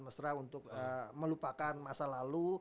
mesra untuk melupakan masa lalu